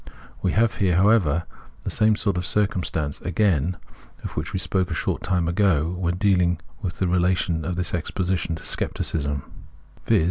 We have here, however, the same sort of circum stance, again, of which we spoke a short time ago when dealing with the relation of this exposition to scepticism, viz.